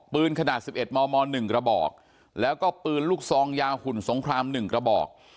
ปืนขนาด๑๑มม๑กระบอกแล้วก็ปืนลูกซองยาวหุ่นสงคราม๑กระบอก